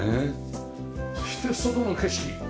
そして外の景色。